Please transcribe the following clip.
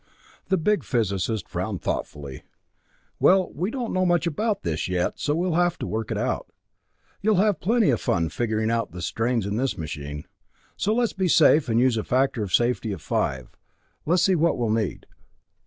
The big physicist frowned thoughtfully. "Well, we don't know much about this yet, so we'll have to work it out. You'll have plenty of fun figuring out strains in this machine, so let's be safe and use a factor of safety of five. Let's see what we'll need.